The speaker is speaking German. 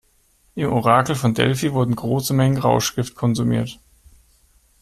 Im Orakel von Delphi wurden große Mengen Rauschgift konsumiert.